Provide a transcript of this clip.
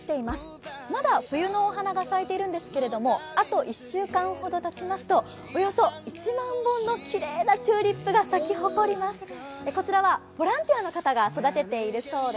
まだ冬のお花が咲いているんですけれどもあと１週間ほどたちますとおよそ１万本のきれいなチューリップが咲き誇ります。